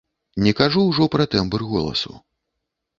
Не кажу ўжо пра тэмбр голасу.